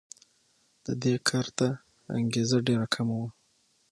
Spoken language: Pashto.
د دې کار ته انګېزه ډېره کمه وه.